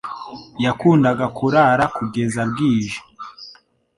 Yakundaga kurara kugeza bwije.